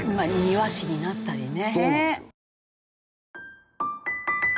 庭師になったりね。